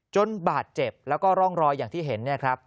บาดเจ็บแล้วก็ร่องรอยอย่างที่เห็นเนี่ยครับ